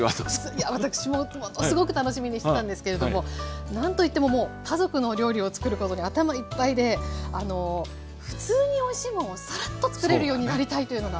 いや私もものすごく楽しみにしてたんですけれども何といってももう家族のお料理をつくることで頭いっぱいでふつうにおいしいもんをさらっとつくれるようになりたいというのが。